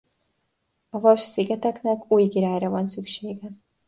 A Vas-szigeteknek új királyra van szüksége.